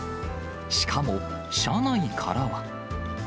しかも、社内からは。